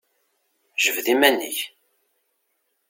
Jbed iman-ik!